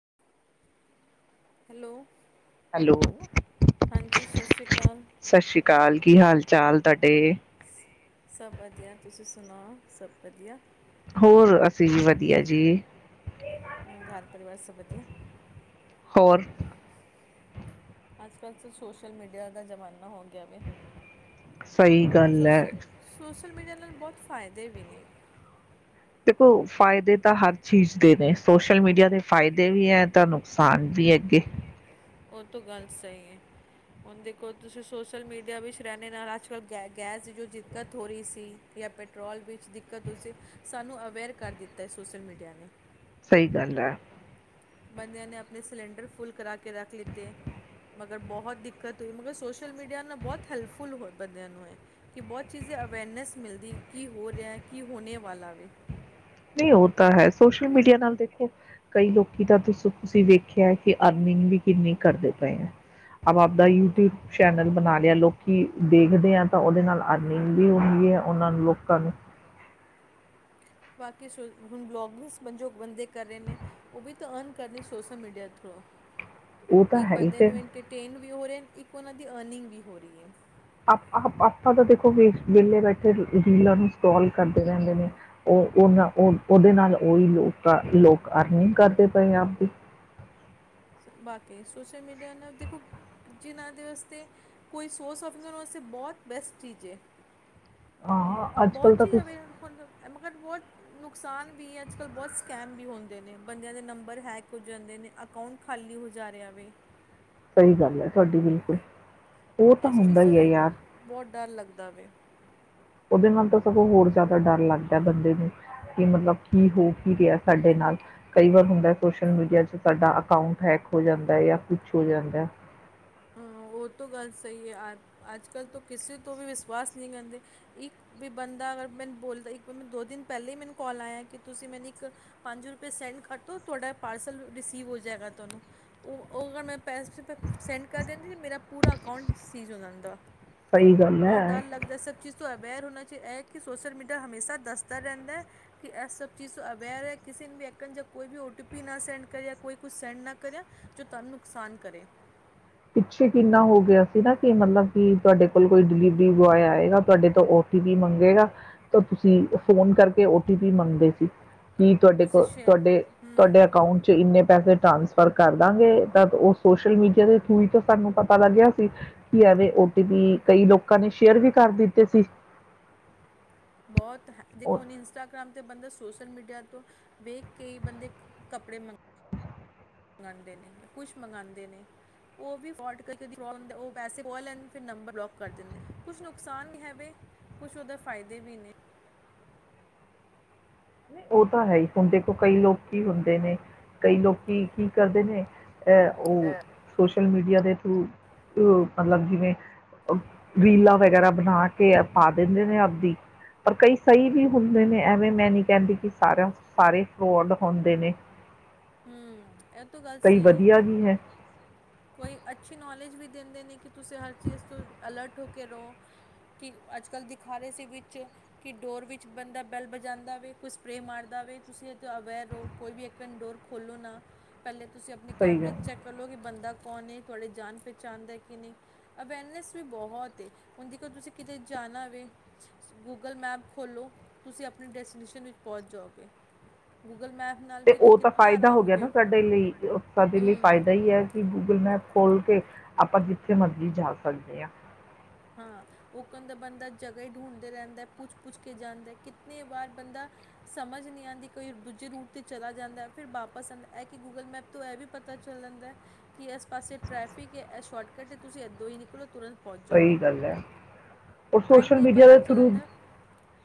[inaudible] Hello [inaudible] ਸਤਿ ਸ਼੍ਰੀ ਕਾਲ। ਕੀ ਹਾਲ ਚਾਲ ਤੁਹਾਡੇ [inaudible] ਹੋਰ ਅਸੀਂ ਵੀ ਵਧੀਆ ਜੀ। [inaudible] ਹੋਰ [inaudible] [inaudible] ਸਹੀ ਗੱਲ ਹੈ। ਸ਼ਲ ਮੀਡੀਆ ਨਾਲ ਬਹੁਤ ਫਾਇਦੇ ਵੀ ਨੇ [inaudible] ਦੇਖੋ ਫਾਇਦੇ ਤਾਂ ਹਾਰ ਚੀਜ ਦੇ ਨੇ ਸੋਸ਼ਲ ਮੀਡੀਆ ਦੇ ਫਾਇਦੇ ਵ ਐ ਤਾਂ ਨੁਕਸਾਨ ਵੀ ਹੈਗੇ। ਓ ਤੋ ਗੱਲ ਸਈ ਏ ਸਹੀ ਗੱਲ ਐ ਬੰਦਿਆਂ ਨੇ ਆਪਨੇ ਸਿਲੈੰਡਰ ਫੁੱਲ ਕਰਾ ਕੇ ਰੱਖ ਲਿਤੇ ਅਗਰ ਬਹੁਤ ਦਿੱਕਤ ਹੋਈ, ਮਗਰ ਸੋਸ਼ਲ ਮੀਡੀਆ ਨਾਲ ਬਹੁਤ ਹੈਲਪਫੁੱਲ ਹੋ ਬੰਦਿਆਂ ਨੂੰ ਹੈ ਕਿ ਬਹੁਤ ਚੀਜ਼ੇ ਅਵੇਅਰਨੈਸ ਮਿਲਦੀ ਕੀ ਹੋ ਰਿਹਾ ਹੈ, ਕੀ ਹੋਣੇ ਵਾਲਾ ਵੀ। ਨਹੀਂ ਉਹ ਤਾਂ ਹੈ, ਸੋਸ਼ਲ ਮੀਡੀਆ ਨਾਲ ਦੇਖੋ ਕਈ ਲੋਕੀ ਤਾਂ ਤੁਸੀਂ ਵੇਖਿਆ ਕਿ ਅਰਨਿੰਗ ਵੀ ਕਿੰਨੀ ਕਰਦੇ ਪਏ ਆ। ਆਪ ਆਪਦਾ ਯੂਟਿਊਬ ਚੈਨਲ ਬਣਾ ਲਿਆ ਲੋਕੀ ਦੇਖਦੇ ਆ ਤਾਂ ਉਹਦੇ ਨਾਲ ਅਰਨਿੰਗ ਵੀ ਹੁੰਦੀ ਹੈ, ਉਹਨਾਂ ਨੂੰ ਲੋਕਾਂ ਨੂੰ ਬਾਕੀ ਸ਼ੋਂ ਹੁਣ ਵਲੋਗ ਭੀ ਉਸ ਵਜੋ ਬੰਦੇ ਕਰ ਰਹੇ ਨੇ, ਉਹ ਵੀ ਤਾਂ ਅਰਨ ਕਰਨੀ ਸੋਸ਼ਲ ਮੀਡੀਆ ਥਰੂ। ਉਹ ਤਾਂ ਇੱਕ ਹੈ ਹੀ ਬੰਦੇ ਫਿਰ ਨੂੰ ਇੰਟਰਟੇਨ ਵੀ ਹੋ ਰਹੇ ਹਨ ਇੱਕ ਔਨਾਂ ਦੀ ਅਰਨਿੰਗ ਵੀ ਹੋ ਰਹੀ ਏ। ਆਪ ਆਪਾਂ ਤਾਂ ਦੇਖੋ ਵੀ ਵਿਹਲੇ ਬੈਠੇ ਰੀਲਾਂ ਨੂੰ ਸਕਰੋਲ ਕਰਦੇ ਰਹਿੰਦੇ ਨੇ ਔ ਔਨਾਂ ਔ ਉਹਦੇ ਨਾਲ ਔਹੀ ਲੋਕ ਲੋਕ ਅਰਨਿੰਗ ਕਰਦੇ ਪਏ ਆਪਦੀ। ਬਾਕੀ ਸੋਸ਼ਲ ਮੀਡੀਆ ਨਾਲ ਦੇਖੋ, ਜਿਨ੍ਹਾਂ ਦੇ ਵਾਸਤੇ ਕੋਈ ਸੋਰਸ ਔਫ ਨਹੀਂ ਉਹਨਾਂ ਵਾਸਤੇ ਬਹੁਤ ਬੈਸਟ ਚੀਜ਼ ਏ। ਹਾਂ ਅੱਜ ਕੱਲ ਬਹੁਤ ਤਾਂ ਚੀਜ਼ਾਂ ਤੁਸੀਂ ਐਵੇਂ ਹੁਨ ਐਮਾ ਬਟ ਬਹੁਤ ਨੁਕਸਾਨ ਵੀ ਹੈ ਅੱਜਕੱਲ੍ਹ ਬਹੁਤ ਸਕੈਮ ਵੀ ਹੁੰਦੇ ਨੇ, ਬੰਦਿਆਂ ਦੇ ਨੰਬਰ ਹੈਕ ਹੋ ਜਾਂਦੇ ਨੇ ਅਕਾਊਂਟ ਖਾਲੀ ਹੋ ਜਾ ਰਿਹਾ ਵੇ। ਸਹੀ ਗੱਲ ਹੈ ਤੁਹਾਡੀ ਬਿਲਕੁਲ। ਉਹ ਤਾਂ ਇਸ ਚੀਜ਼ ਹੁੰਦਾ ਦਾ ਹੀ ਹੈ ਵੀ ਯਾਰ। ਬਹੁਤ ਡਰ ਲੱਗਦਾ ਵੇ। ਉਹਦੇ ਨਾਲ ਤਾਂ ਸਗੋਂ ਹੋਰ ਜ਼ਿਆਦਾ ਡਰ ਲੱਗਦਾ ਬੰਦੇ ਨੂੰ ਕਿ ਮਤਲਬ ਕੀ ਹੋ ਕੀ ਰਿਹਾ ਸਾਡੇ ਨਾਲ, ਕਈ ਵਾਰ ਹੁੰਦਾ ਸੋਸ਼ਲ ਮੀਡੀਆ 'ਚ ਸਾਡਾ ਅਕਾਊਂਟ ਹੈਕ ਹੋ ਜਾਂਦਾ ਜਾਂ ਕੁਛ ਹੋ ਜਾਂਦਾ। ਹਾਂ ਉਹ ਤੋ ਗੱਲ ਸਹੀ ਹੈ ਯਾਰ, ਅੱਜਕੱਲ੍ਹ ਤੋਂ ਕਿਸੇ ਤੋਂ ਵੀ ਵਿਸਵਾਸ ਨਹੀਂ ਕਹਿੰਦੇ, ਇੱਕ ਵੀ ਬੰਦਾ ਅਗਰ ਮੈਨੂੰ ਬੋਲਦਾ ਇੱਕ ਮੈਂ ਦੋ ਦਿਨ ਪਹਿਲਾਂ ਹੀ ਮੈਨੂੰ ਕਾਲ ਆਇਆ ਕਿ ਤੁਸੀਂ ਮੈਨੂੰ ਇੱਕ ਪੰਜ ਰੁਪਏ ਸੈਂਡ ਕਰ ਦੋ ਤੁਹਾਡਾ ਪਾਰਸਲ ਰਿਸੀਵ ਹੋ ਜਾਏਗਾ ਤੁਹਾਨੂੰ। ਉਹ ਕਹਿਣ ਪੈਸੇ ਕੱਲ ਕਹਿੰਦੇ ਸੀ ਮੇਰਾ ਪੂਰਾ ਅਕਾਊਂਟ ਸੀਜ਼ ਹੋ ਜਾਂਦਾ। ਸਹੀ ਗੱਲ ਹੈ। ਇਸ ਤੋਂ ਅਵੇਅਰ ਹੋਣਾ ਚਾਹੀ ਇਹ ਕਿ ਸੋਸਲ ਮੀਡੀਆ ਹਮੇਸਾ ਦੱਸਦਾ ਰਹਿੰਦਾ ਹੈ, ਕਿ ਇਸ ਸਭ ਚੀਜ਼ ਤੋਂ ਅਵੇਅਰ ਹੈ ਕਿਸੇ ਨੇ ਵੀ ਐਕਣ ਜਾਂ ਕੋਈ ਵੀ ਓ ਟੀ ਪੀ ਨਾ ਸੈਂਡ ਕਰਿਆ ਕੋਈ ਕੁਛ ਸੈਂਡ ਨਾ ਕਰੇ ਜੋ ਤੁਹਾਨੂੰ ਨੁਕਸਾਨ ਕਰੇ। ਪਿੱਛੇ ਕਿੰਨਾ ਹੋ ਗਿਆ ਸੀ ਨਾ ਕਿ ਮਤਲਬ ਕਿ ਤੁਹਾਡੇ ਕੋਲ ਕੋਈ ਡਿਲੀਵਰੀ ਬੁਆਏ ਆਏਗਾ ਤੁਹਾਡੇ ਤੋਂ ਓਟੀ ਪੀ ਮੰਗੇਗਾ, ਤਾਂ ਤੁਸੀਂ ਫੋਨ ਕਰਕੇ ਔ ਟੀ ਪੀ ਮੰਗਦੇ ਸੀ। ਕੀ ਤੁਹਾਡੇ ਤੁਸੀਂ ਕੋਲ ਸ਼ੇਅਰ ਤੁਹਾਡੇ, ਹੂੰ ਤੁਹਾਡੇ ਅਕਾਊਂਟ 'ਚ ਇੰਨੇ ਪੈਸੇ ਟਰਾਂਸ ਫਰ ਕਰਦਾਂਗੇ ਤਾਂ ਉਹ ਸੋਸ਼ਲ ਮੀਡੀਆ ਤੇ ਥਰੂ ਤੋਂ ਸਾਨੂੰ ਪਤਾ ਲੱਗਿਆ ਸੀ, ਕਿ ਐਵੇ ਔ ਟੀ ਪੀ ਕਈ ਲੋਕਾਂ ਨੇ ਸ਼ੇਅਰ ਵੀ ਕਰ ਦਿੱਤੇ ਸੀ। ਬਹੁਤ ਹੈ ਉਹ ਦੇਖੋ ਹੁਣ ਇੰਸਟਾਗ੍ਰਾਮ ਤੇ ਬੰਦਾ ਸੋਸ਼ ਸੋਸ਼ਲ ਮੀਡੀਆ ਤੋਂ ਵੇਖ ਕੇ ਹੀ ਬੰਦੇ ਕੱਪੜੇ ਮੰਗ ਮੰਗਾਂਦੇ ਨੇ ਕੁਛ ਮੰਗਾਂਦੇ ਨੇ। ਉਹ ਵੀ ਫੋਲਟ ਕਰਕੇ [unintelligible] ਹੁੰ ਉਹ ਪੈਸੇ ਬਹੁ ਲੈਨਦੇ ਨੇ ਫਿਰ ਨੰਬਰ ਬਲਾਕ ਕਰ ਦਿੰਦੇ। ਕੁਛ ਨੁਕਸਾਨ ਹੈਵੇ, ਕੁਛ ਉਹਦੇ ਫ਼ਾਇਦੇ ਵੀ ਨੇ। ਉਹ ਤਾਂ ਹੈ ਹੀ ਹੁਣ ਦੇਖੋ ਕਈ ਲੋਕ ਕੀ ਹੁੰਦੇ ਨੇ, ਕਈ ਲੋਕੀ ਕੀ ਕਰਦੇ ਨੇ ਐ ਉਹ ਸੋਸ਼ਲ ਮੀਡੀਆ ਦੇ ਥਰੂ, ਮਤਲਬ ਜਿਵੇਂ, ਰੀਲਾਂ ਵਗੈਰਾ ਬਣਾ ਕੇ ਪਾ ਦਿੰਦੇ ਨੇ ਆਪਦੀ ਪਰ ਕਈ ਸਹੀ ਵੀ ਹੁੰਦੇ ਨੇ ਐਵੇਂ ਮੈਂ ਨੀ ਕਹਿੰਦੀ ਕਿ ਸਾਰਿਆਂ ਸਾਰੇ ਫਰੋਡ ਹੁੰਦੇ ਨੇ। ਹੂੰ ਇਹ ਤੋ ਗੱਲ ਕਈ ਸਹੀ ਹੈ ਵਧੀਆ ਵੀ ਕੋਈ ਅੱਛੀ ਨੌਲੇਜ ਵੀ ਦਿੰਦੇ ਨੇ ਕਿ ਤੁਸੀਂ ਹਰ ਚੀਜ਼ ਤੋਂ ਅਲਰਟ ਹੋ ਕੇ ਰਹੋ, ਕਿ ਅੱਜਕੱਲ੍ਹ ਦਿਖਾ ਰਹੇ ਸੀ ਵਿੱਚ ਕਿ ਡੋਰ ਵਿੱਚ ਬੰਦਾ ਬੈਲ ਬਜਾਂਦਾ ਦਾ ਵੇ, ਕੋਈ ਸਪਰੇਅ ਮਾਰਦਾ ਵੇ ਤੁਸੀਂ ਇਹ ਤੋਂ ਅਵੇੈਰ ਰਹੋ ਕੋਈ ਵੀ ਇੱਕਨ ਡੋਰ ਖੋਲੋ ਨਾ ਪਹਿਲੇ ਤੁਸੀਂ ਆਪਣੇ ਸਹੀ ਕੈਮਰੇ ਗੱਲ 'ਚ ਚੈੱਕ ਕਰ ਲਓ ਕਿ ਬੰਦਾ ਕੌਣ ਨੇ ਤੁਹਾਡੇ ਜਾਣ ਪਹਿਚਾਣ ਦਾ ਕੀ ਨੇ, ਅਵੇਅਰਨੈਸ ਵੀ ਬਹੁਤ ਏ, ਹੁਣ ਦੇਖੋ ਤੁਸੀਂ ਕਿਤਦੇ ਜਾਣਾ ਵੇ, ਗੂਗਲ ਮੈਪ ਖੋਲ੍ਹੋ, ਤੁਸੀਂ ਆਪਣੇ ਡੈਸਟੀਨੇਸ਼ਨ ਵਿੱਚ ਪਹੁੰਚ ਜਾਉਗੇ। ਗੂਗਲ ਮੈਪ ਨਾਲ ਤੇ ਵੀ ਤਾਂ ਉਹ ਕੀ ਫਾਇਦਾ ਹੋ ਗਿਆ ਨਾ ਸਾਡੇ ਲਈ ਸਾਡੇ ਲਈ ਹੂੰ ਫਾਇਦਾ ਹੀ ਹੈ ਕਿ ਗੂਗਲ ਮੈਪ ਖੋਲ ਕੇ ਆਪਾਂ ਜਿੱਥੇ ਮਰਜ਼ੀ ਜਾ ਸਕਦੇ ਹਾਂ। ਹਾਂ, ਉਹ ਕਹਿੰਦਾ ਬੰਦਾ ਜਗ੍ਹਾ ਹੀ ਢੂੰਢਦਾ ਰਹਿੰਦਾ ਪੁੱਛ-ਪੁੱਛ ਕੇ ਜਾਂਦਾ ਕਿੰਨੀ ਵਾਰ ਬੰਦਾ ਸਮਝ ਨਹੀਂ ਆਉਂਦੀ ਕੋਈ ਦੂਜੇ ਰੂਟ ਤੇ ਚਲਾ ਜਾਂਦਾ ਫਿਰ ਵਾਪਸ ਆਉਂਦਾ ਇਹ ਕਿ ਗੂਗਲ ਮੈਪ ਤੋਂ ਇਹ ਵੀ ਪਤਾ ਚੱਲ ਜਾਂਦਾ ਕਿ ਇਸ ਪਾਸੇ ਟ੍ਰੈਫਿਕ ਹੈ ਇਹ ਸ਼ੋਰਟਕੱਟ ਹੈ ਤੁਸੀਂ ਇੱਦੋਂ ਹੀ ਨਿਕਲੋ ਤੁਰੰਤ ਪਹੁੰਚ ਜਾਗੇ ਸਹੀ ਸੋਸ਼ਲ ਮੀਡੀਆ ਦੇ ਪਤਾ ਚੱਲ ਥਰੂ ਜਾਂਦਾ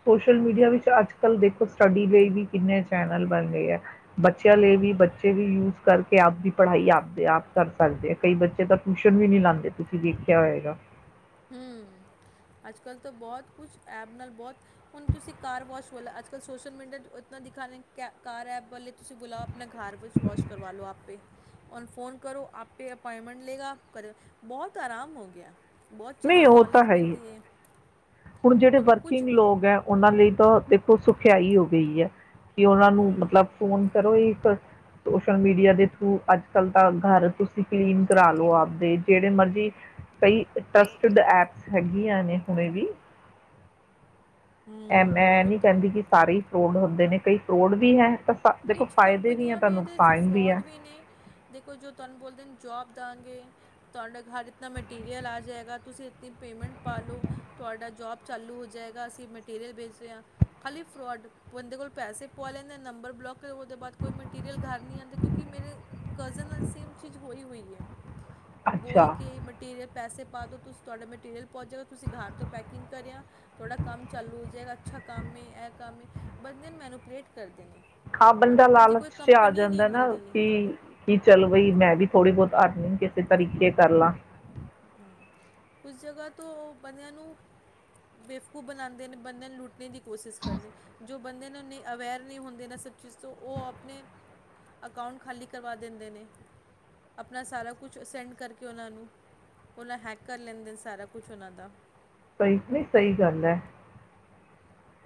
ਸੋਸ਼ਲ ਮੀਡੀਆ ਵਿੱਚ ਅੱਜ ਕੱਲ੍ਹ ਦੇਖੋ ਸਟੱਡੀ ਲਈ ਵੀ ਕਿੰਨੇ ਚੈਨਲ ਬਣ ਗਏ ਆ, ਬੱਚਿਆਂ ਲਈ ਵੀ ਬੱਚੇ ਵੀ ਯੂਜ ਕਰਕੇ ਆਪਦੀ ਪੜ੍ਹਾਈ ਆਪਦੇ ਆਪ ਕਰ ਸਕਦੇ ਆ ਕਈ ਬੱਚੇ ਤਾਂ ਟਿਊਸ਼ਨ ਵੀ ਨੀ ਲਾਉਂਦੇ ਤੁਸੀਂ ਵੇਖਿਆ ਹੋਏਗਾ। ਹਮ ਅੱਜ ਕੱਲ ਤਾਂ ਬਹੁਤ ਕੁਛ ਐਪ ਨਾਲ ਬਹੁਤ ਹੁਣ ਤੁਸੀਂ ਕਾਰ ਵਾਸ਼ ਵ ਅੱਜ ਕੱਲ ਸੋਸ਼ਲ ਮੀਡੀਆ ਇਤ ਦਿਖਾ ਕਾਰ ਐਪ ਵੇ ਤੁਸੀਂ ਬੁਲਾਓ ਆਪਣਾ ਘਰ ਵਿੱਚ ਵਾਸ਼ ਕਰਵਾ ਲਓ ਆਪੇ ਔਨੂੰ ਫੋਨ ਕਰੋ ਆਪ ਪ ਅਪੋਇੰਟਮੈਂਟ ਲਏਗਾ ਕਰ ਬਹੁਤ ਆਰਾਮ ਹੋ ਗਿਆ ਬਹੁਤ ਚੀਜ਼ ਨਹੀਂ ਉਹ ਤਾਂ ਨੌਲੇਜ ਹੀ ਮਿਲਦੀ ਹੈ ਹੁਣ ਜਿਹੜੇ ਵਰਕਿੰਗ ਲੋਕ ਹੈ ਉਹਨਾਂ ਲਈ ਤਾਂ ਦੇਖੋ ਸੁਖਿਆਈ ਹੋ ਗਈ ਹੈ ਕਿ ਉਹਨਾਂ ਨੂੰ ਮਤਲਬ ਫੋਨ ਕਰੋ ਇੱਕ ਸੋਸ਼ਲ ਮੀਡੀਆ ਦੇ ਥਰੂ ਅੱਜ ਕੱਲ ਤਾਂ ਘਰ ਤੁ ਂ ਕਲੀਨ ਕਰਾਾਲੋ ਆਪਦੇ ਜਿਹੜੇ ਮਰਜ਼ੀ [unintelligible] ਕਈ ਟੱਸਟਡ ਐਪਸ ਹੈਗੀਆਂ ਨੇ [unintelligible] ਮੈਂ ਨੀ ਕਹਿੰਦੀ ਕਿ ਸਾਰੇ ਹੀ ਫਰੋਡ ਹੁੰਦੇ ਨੇ। ਕਈ ਕਰੋੜ ਵੀ ਹੈ ਤਾਂ ਸਾ- ਦੇਖੋ ਕੁਛ ਫਾਇਦੇ ਹੈ ਕੰਪਨੀਆਂ ਤਾਂ ਵੀ ਇਹਦੇ ' ਨੁਕਸਾਨ ਫਰਾੋਡ ਹੈ ਵੀ ਨੇ ਜ ਤੁਹਾਨੂੰ ਬੋਲਦੇ ਕਿ [unintelligible] [unintelligible] ਤੁਸੀਂ ਇਤਨੀ ਪੇਮੈਂਟ ਪਾ ਲਉ ਤੁਹਾਡਾ ਜੋਬ ਚਾਲੂ ਹੋ ਜਾਏਗਾ ਅਸੀਂ ਮਟੀਰੀਅਲ ਵੇਚ ਰਹੇ ਹਾਂ ਖਾਲੀ ਫਰੋਡ ਬੰਦੇ ਕੋਲ ਪੈਸੇ ਪਾਵਾ ਲੈਂਦੇ ਹਾਂ ਨੰਬਰ ਬਲੋਕ ਉਹਦੇਅਦਈ ਮਟੀਰੀਅਲ ਘਰ ਨਹੀਂ ਆਉਂ ਕਿਉਂਕਿ [unintelligible] ਅੱਛਾ ਬੋਲ ਕੇ ਮਟੀਰੀਅਲ ਪੈਸੇ ਪਾ ਦਿਉ, ਤੁਸੀਂ ਤੁਹਾਡਾ ਮਟੀਰੀਅਲ ਪਹੁੰਚ ਜਾਵੇਗਾ ਤੁਸੀਂ ਘਰ ਤੋਂ ਪੈਕਿੰਗ ਕਰਿਆ ਤੁਹਾਡਾ ਕੰਮ ਚਾਲੂ ਹੋ ਜਾਵੇਗਾ ਅੱਛਾ ਕੰਮ ਹੈ ਇਹ ਕੰਮ ਹੈ ਬੰਦੇ ਨੂੰ ਮੈਨੂੰ ਪਲੇਟ ਕਰਦੇ ਨੇ। ਖਾ ਔਰ ਬੰਦਾ ਐਕਨ ਜੀ ਲਾਲਚ ਕੋਈ ਚ ਆ ਕੰਪਨੀ ਨਹੀਂ ਜਾਂਦਾ ਨਾ ਹੁੰਦੀ ਕਿ ਕੀ ਚੱਲ ਬਈ ਮੈਂ ਵੀ ਥੋੜੀ ਬਹੁਤ ਘਰ ਨੀ ਕਿਸੇ ਤਰੀਕੇ ਕਰਲਾ ਕੁਛ ਜਗ੍ਹਾ ਤੋਂ ਬੰਦਿਆਂ ਨੂੰ ਬੇਫਕੂ ਬਣਾਉਂਦੇ ਨੇ ਬੰਦਿਆਂ ਨੂੰ ਲੁੱਟ। ਏ ਦੀ ਕੋਸਿਸ ਕਰਨੀ। ਜੋ ਬੰਦੇ ਨੂੰ ਅਵੇਅਰ ਨਹੀਂ ਹੁੰਦੇ ਇਹ ਸਭ ਚੀਜ਼ ਤੋਂ ਉਹ ਆਪਣੇ ਅਕਾਊਂਟ ਖਾਲੀ ਕਰਵਾ ਦਿੰਦੇ ਨੇ ਆਪਣਾ ਸਾਰਾ ਕੁਛ ਸੈਂਡ ਕਰਕੇ ਉਹਨਾਂ ਨੂੰ ਉਹਨਾਂ ਹੈਕ ਕਰ ਲੈਂਦੇ ਨੇ ਸਾਰਾ ਕੁਝ ਉਹਨਾਂ ਦਾ। ਸਈ, ਨਹੀਂ ਸਈ ਗੱਲ ਏ।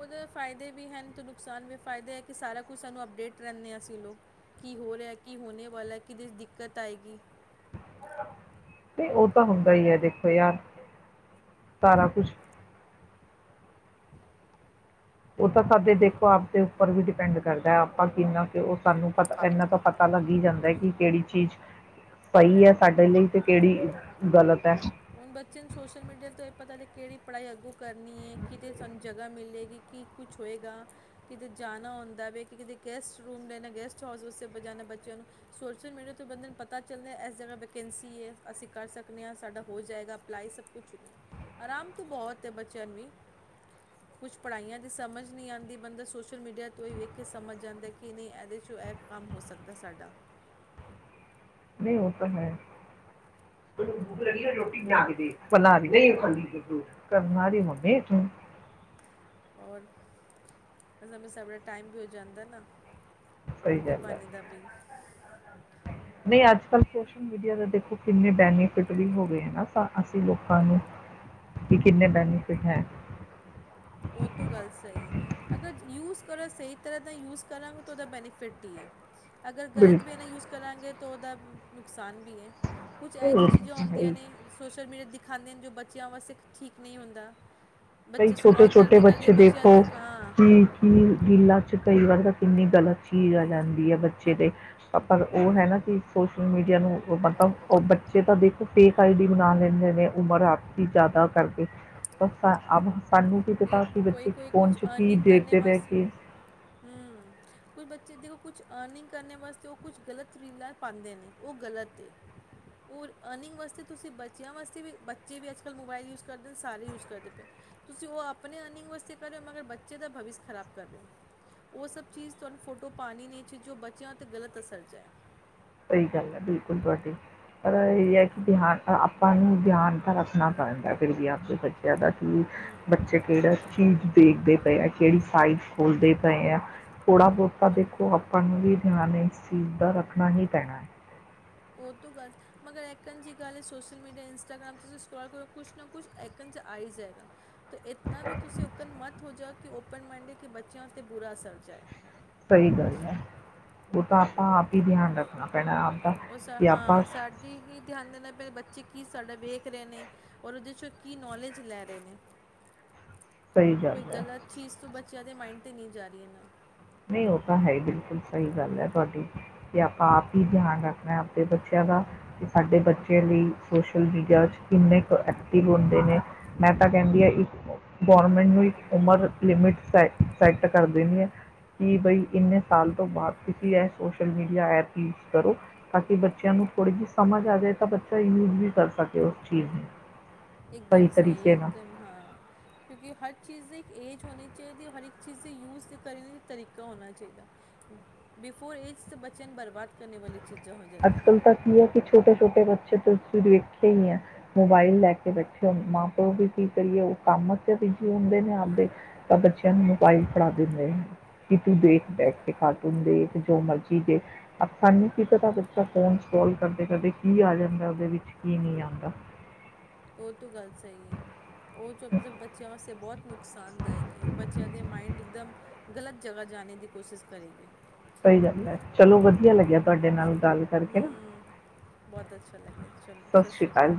ਉਦੇ ਫਾਇਦੇ ਵੀ ਹੇਨ ਤੇ ਨੁਕਸਾਨ ਵੀ। ਫਾਇਦੇ ਏ ਕੀ ਸਾਰਾ ਕੁਛ ਸਾਨੂੰ ਅਪਡੇਟ ਰਇਣੇ ਅਸੀ ਲੋਗ। ਕੀ ਹੋ ਰਿਹਾ? ਕੀ ਹੋਣੇ ਵਲਾ? ਕਿਹਦੇ ਚ ਦਿੱਕਤ ਆਏਗੀ? ਨਹੀਂ ਉਹ ਤਾਂ ਹੁੰਦਾ ਹੀ ਹੈ ਦੇਖੋ ਯਾਰ, ਸਾਰਾ ਕੁਛ ਉਹ ਤਾਂ ਸਾਡੇ ਦੇਖੋ ਆਪ ਦੇ ਉੱਪਰ ਵੀ ਡਿਪੈਂਡ ਕਰਦਾ ਹੈ, ਆਪਾਂ ਕਿੰਨਾ ਸਾਨੂੰ ਪਤਾ, ਇਹਨਾਂ ਤੋਂ ਪਤਾ ਲੱਗ ਹੀ ਜਾਂਦਾ ਐ ਕੀ ਕਿਹੜੀ ਚੀਜ਼ ਸਹੀ ਹੈ। ਸਾਡੇ ਲਈ ਤੇ ਕਿਹੜੀ ਗਲਤ ਹੈ। ਹੁਣ ਬੱਚੇ ਨੂੰ ਸੋਸ਼ਲ ਮੀਡੀਆ ਤੋਂ ਇਹ ਪਤਾ ਕਿਹੜੀ ਪੜ੍ਹਾਈ ਅੱਗੋਂ ਕਰਨੀ ਹੈ। ਕਿਤੇ ਸਾਨੂੰ ਜਗ੍ਹਾ ਮਿਲੇਗੀ ਕੀ ਕੁਛ ਹੋਏਗਾ ਕਿਤੇ ਜਾਣਾ ਹੁੰਦਾ ਕਿ ਕਿਤੇ ਗੈਸਟ ਰੂਮ ਲੈਣਾ ਗੈਸਟ ਹਾਊਸ ' ਜਾਣਾ ਬੱਚਿਆਂ ਨੂੰ ਸੋਸ਼ਲ ਮੀਡੀਆ ਤੋਂ ਬੰਦੇ ਨੂੰ ਪਤਾ ਚੱਲਦਾ ਇਸ ਜਗ੍ਹਾ ਵੈਕੈਂਸੀ ਹੈ। ਅਸੀਂ ਕਰ ਸਕਦੇ ਹਾਂ ਸਾਡਾ ਹੋ ਜਾਏਗਾ ਅਪਲਾਈ ਸਭ ਕੁਛ ਆਰਾਮ ਤੋਂ ਬਹੁਤ ਹੈ। ਬੱਚਿਆਂ ਨੂੰ ਵੀ ਕੁਛ ਪੜ੍ਹਾਈਆਂ ਦੀ ਸਮਝ ਨਹੀਂ ਆਉਂਦੀ ਬੰਦਾ ਸੋਸ਼ਲ ਮੀਡੀਆ ਤੋਂ ਹੀ ਵੇਖ ਕੇ ਸਮਝ ਆਉਂਦਾ ਕਿ ਨਹੀਂ ਇਹਦੇ ਇਹ ਕੰਮ ਹੋ ਸਕਦਾ ਸਾਡਾ ਨਹੀਂ ਹੋ ਤਾਂ ਹੈ ਬ ਮੰ ਤੂੰ [unintelligible] ਹੋਰ ਫਿਰ ਸਾਨੂੰ, ਸਾਡਾਟਾਈਮ ਵੀ ਹੋ ਜਾਂਦਾ ਨਾ ਸਹੀ ਰੋਟੀ ਗੱਲ ਹੈ। ਪਾਣੀ ਦਾ ਵੀ ਨਹੀਂ ਅੱਜ ਪਰ ਸੋਸ਼ਲ ਮੀਡੀਆ ਦਾ ਦੇਖੋ ਕਿੰਨੇ ਬੈਨੀਫਿਟ ਵੀ ਹੋ ਗਏ ਨਾ ਅਸੀਂ ਲੋਕਾਂ ਨੂੰ ਕਿ ਕਿੰਨੇ ਬੈਨੀਫਿਟ ਹੈ। ਉਹ ਤ ਗੱਲ ਸਹੀ ਹੈ। ਅਗਰ ਯੂਜ ਸਹੀ ਤਰ੍ਹਾਂ ਦਾ ਯੂਜ ਕਰਾਂਗੇ ਤਾਂ ਉਹਦਾ ਬੈਨੀਫਿਟ ਹੀ ਹੈ। ਅਗਰ ਗਲਤ ਵੇ ਬਿਲਕੁਲ ਨਾ ਯੂਜ਼ ਕਰਾਂਗੇ ਤਾਂ ਤਾਂ ਔਦਾ ਨੁਕਸਾਨ ਵੀ ਹੈ। ਕੁਛ ਇਹੋ ਜਿਹੀ ਇਹ ਚੀਜ਼ਾਂ ਤਾਂ ਹੈ ਆਉਂਦੀਆਂ ਹੀ। ਨੇ ਸੋਸ਼ਲ ਮੀਡੀਆ ਤੇ ਦਿੱਖ ਖਾਂਦੇ ਨੇ ਜੋ ਬੱਚਿਆਂ ਵਾਸਤੇ ਠੀਕ ਨਹੀਂ ਹੁੰਦਾ। ਕਈ ਬੱਚੇ ਸਕੂਲ ਛੋਟੇ ਛੋਟੇ ਬੱਚੇ ਦੇਖੋ ਕਿ, ਕੀ ਰੀਲਾਂ ਚ ਕਈ ਵਾਰ ਤਾਂ ਕਿੰਨੀ ਗਲਤ ਚੀਜ਼ ਆ ਜਾਂਦੀ ਹੈ। ਬੱਚੇ ' ਪਰ ਉਹ ਹੈ। ਨਾ ਕਿ ਸੋਸ਼ਲ ਮੀਡੀਆ ਨੂੰ ਮਤਲਬ ਉਹ ਬੱਚੇ ਤਾਂ ਦੇਖੋ ਫੇਕ ਆਈ ਡੀ ਬਣਾ ਲੈਂਦੇ ਨੇ ਉਮਰ ਆਪ ਹੀ ਜ਼ਿਆਦਾ ਕਰਕੇ ਤਾਂ ਆਹੋ ਕੋਈ ਕੋਈ ਕੁਛ ਕੀ ਅਰਨਿੰਗ ਕਰਨੇ ਦੇਖਦੇ ਨੇ ਵਾਸਤੇ, ਕੀ ਕੋਈ ਬੱਚੇ ਦੇਖੋ ਕੁਛ ਅਰਨਿੰਗ ਕਰਨ ਵਾਸਤੇ ਉਹ ਕੁਛ ਗਲਤਰੀਲਾਂ ਪਾਉਂਦੇ ਨੇ, ਉਹ ਗਲਤ ਏ ਉਹ ਅਰਨਿੰਗ ਵਾਸਤੇ ਤੁਸੀਂ ਬੱਚਿਆਂ ਵਾਸਤੇ ਵੀ ਬੱਚੇ ਵੀ ਅੱਜ ਕੱਲ੍ਹ ਮੋਬਾਇਲ ਯੂਜ ਕਰਦੇ ਨੇ, ਸਾਰੇ ਯੂਜ ਕਰਦੇ ਪਏ ਤੁਸੀਂ ਉਹ ਆਪ ਆਪਣੇ ਅਰਨਿੰਗ ਵਾਸਤੇ ਕਰਿਓ ਮਗਰ ਬੱਚੇ ਦਾ ਭਵਿਸ਼ ਖਰਾਬ ਕਰਿਓ, ਉਹ ਸਭ ਚੀਜ਼ ਤੁਹਾਨੂੰ ਫੋਟੋ ਪਾਣੀ ਨਹੀਂ ਵਿੱਚ ਜੋ ਬੱਚਿਆਂ ਉੱਤੇ ਗ਼ਲਤ ਅਸਰ ਜਾਏ। ਸਹੀ ਗੱਲ ਹੈ ਬਿਲਕੁਲ ਤੁਹਾਡੀ, ਪਰ ਇਹ ਹੈ ਕਿ ਧਿਆਨ ਆਪਾਂ ਨੂੰ ਧਿਆਨ ਤਾਂ ਰੱਖਣਾ ਪਊਗਾ ਫਿਰ ਵੀ ਆਪਦੇ ਬੱਚਿਆਂ ਦਾ ਕਿ ਬੱਚੇ ਕਿਹੜਾ ਚੀਜ਼ ਦੇਖਦੇ ਪਏ ਆ ਕਿਹੜੀ ਸਾਈਜ਼ ਖੋਲਦੇ ਪਏ ਆ ਥੋੜ੍ਹਾ ਬਹੁਤਾ ਔਰ ਦੇਖੋ ਆਪਾਂ ਨੂੰ ਵੀ ਧਿਆਨ ਇਸ ਚੀਜ਼ ਦਾ ਰੱਖਣਾ ਹੀ ਪੈਣਾ ਉਹ ਤੋਂ ਗੱਲ ਮਗਰ ਐਕਨ ਜ ਦੀ ਗੱਲ ਹੈ। ਸੋਸ਼ਲ ਮੀਡੀਆ ਇੰਸਟਾਗ੍ਰਾਮ ' ਤੁਸੀਂ ਇਸਟਾਲਕਰੋ, ਕੁਛ ਨਾ ਕੁਛ ਐਕਨ 'ਚ ਆ ਹੀ ਜਾਏਗਾ ਇਤਨਾ ਵੀ ਤੁਸੀਂ ਓਕਣ ਮੱਤ ਹੋ। ਜਾ ਕਿ ਔਪਨ ਮਾਇਂਦ ਐ, ਕਿ ਬੱਚਿਆਂ ਉਤੇ ਬੁਰਾ ਅਸਰ ਜਾਏ ਸਹੀ ਗੱਲ ਹੈ। ਔ ਤਾਂ ਆਪਾਂ, ਆਪ ਹੀ ਧਿਆਨ ਰੱਖਣਾ ਪੈਣਾ। ਆਪਦਾ ਔ ਕਿ ਆਪਾਂ ਹਾਂ ਸਾਡੀ ਹੀ ਧਿਆਨ ਦੇ ਨਾਲ ਬੱਚੇ ਕੀ ਸਾਡਾ ਵੇਖ ਰਹੇ ਨੇ, ਔਰ ਉਹਦੇ ਚੋਂ ਕੀ ਨੌਲੇਜ ਲੈ ਰਹੇ ਨੇ ਸਹੀ ਕੋਈ ਗੱਲ ਹੈ ਗਲਤ ਚੀਜ਼ ਤੋਂ ਬਚਨ ਬੱਚਿਆਂ ਦੇ ਮਾਇਂਡ 'ਤੇ ਨੀ ਜਾ ਏ ਨਾ। ਨਹੀਂ ਉਹ ਤਾਂ ਹੈ ਹੀ ਬਿਲਕੁਲ ਸਹੀ ਗੱਲ ਹੈ ਤੁਹਾਡੀ। ਤੇ ਆਪਾਂ ਆਪ ਈ ਦਿਆਨ ਰੱਖਣਾ ਆਪਦੇ ਬੱਚਿਆਂ ਦਾ। ਕਿ ਸਾਡੇ ਬੱਚੇ ਵੀ ਸੋਸ਼ਲ ਮੀਡੀਆ ਚ ਕਿੰਨੇ ਕੁ ਐਕਟਿਵ ਹੁੰਦੇ ਨੇ। ਮੈਂ ਤਾਂ ਕਹਿੰਦੀ ਆ ਇੱਕ ਗੌਰਮੈਂਟ ਨੂੰ ਇੱਕ ਉਮਰ ਲਿਮਿਟ ਸ ਸੈਟ ਕਰ ਦੇਣੀ ਏ- ਕਿ ਬਈ ਇੰਨੇ ਸਾਲ ਤੋਂ ਬਾਅਦ ਤੁਸੀਂ ਇਹ ਸੋਸ਼ਲ ਮੀਡੀਆ ਐਪ ਯੂਜ ਕਰੋ। ਤਾਂ ਕਿ ਬੱਚਿਆਂ ਨੂੰ ਥੋੜ੍ਹੀ ਜਿਹੀ ਸਮਝ ਆ ਜੇ ਤਾਂ ਬੱਚਾ ਯੂਜ ਵੀ ਕਰ ਸਕੇ ਉਸ ਚੀਜ਼ ਨੂੰ। ਇੱਕਦਮ ਸਹੀ- ਤਰੀਕੇ ਨਾਲ ਇੱਕਦਮ ਹਾਂ। ਕਿਉਂਕਿ ਹਰ ਚੀਜ਼ ਦ- ਏਜ ਹੋਣੀ ਚਾਈਦੀ ਓਰ ਹਰ ਇੱਕ ਚੀਜ਼ ਦੀ ਯੂਜ ਕਰਨ ਤਰੀਕਾ ਹੋਣਾ ਚਾਈਦਾ। ਬਿਫੋਰ ਏਜ ਬੱਚਿਆਂ ਨੂੰ ਬਰਬਾਦ ਕਰਨੇ ਵਾਲੀ- ਚੀਜ਼ਾਂ ਹੋ ਅੱਜ ਜਾਂਦੀਆਂ ਨੇ ਕੱਲ ਤਾਂ ਕੀ ਏ ਕਿ ਛੋਟੇ ਛੋਟੇ ਬੱਚੇ- ਛੇ ਤੇ ਤੁਸੀਂ ਵੇਖਿਆ ਈ ਹੈ ਮੋਬਾਇਲ ਲੈ ਕੇ ਬੈਠੇ ਹੋ- ਮਾਂ ਪਿਓ ਵੀ ਕੀ ਕਰੀਏ ਉਹ ਕੰਮ ਤੇ ਬਿਜੀ ਹੁੰਦੇ ਨੇ ਆਪਦੇ। ਤਾਂ ਬੱਚਿਆਂ ਨੂੰ ਮੋਬਾਇਲ ਫੜਾ ਦਿੰਦੇ ਨੇ, ਕੀ ਤੂੰ ਦੇਖ ਬੈਠ ਉਹ ਕੇ, ਕਾਰਟੂਨ ਦੇਖ ਜੋ ਮਰਜੀ ਦੇਖ। ਆਪਾ ਨੂੰ ਕੀ ਪਤਾ- ਤਾ ਫੋਨ'ਚ ਕਾਲ ਕਰਦੇ ਕਰਦੇ ਕੀ ਆ ਜਾਂਦਾ। ਉਹਦੇ ਵਿੱਚ ਕੀ ਨੀ ਆਂਦਾ। ਉਹ ਤੋ ਗੱਲ ਸਹੀ ਏ। ਉਹ ਚੁੱਪ-ਚਾਪ ਬੱਚਿਆਂ ਵਾਸਤੇ ਬਹੁਤ- ਨੁਕਸਾਨਦਾਇਕ ਏ। ਬੱਚਿਆਂ ਦੇ ਮਾਇੰਡ ਇੱਕਦਮ ਗਲਤ ਜਗ੍ਹਾ ਜਾਣੇ ਦੀ ਕੋਸ਼ਿਸ਼ ਕਰੇਗੇ। ਸਹੀ ਗੱਲ ਏ। ਚਲੋ ਵਧੀਆ ਲੱਗਿਆ- ਤੁਹਾਡੇ ਨਾਲ ਗੱਲ ਕਰਕੇ ਨਾ, ਬਹੁਤ ਅੱਛਾ ਲੱਗਿਆ ਸਤਿ ਸ਼੍ਰੀ ਅਕਾਲ